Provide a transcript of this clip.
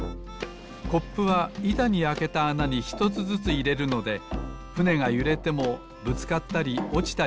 コップはいたにあけたあなにひとつずついれるのでふねがゆれてもぶつかったりおちたりしません。